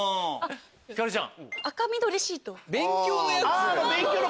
ひかるちゃん！